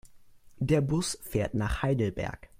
Der Bus fährt nach Heidelberg